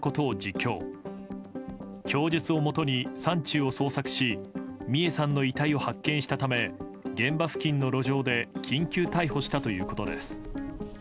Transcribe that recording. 供述をもとに山中を捜索し美恵さんの遺体を発見したため現場付近の路上で緊急逮捕したということです。